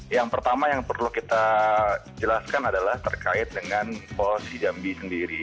yang pertama yang perlu kita jelaskan adalah terkait dengan pos jambi sendiri